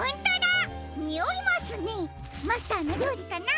マスターのりょうりかな？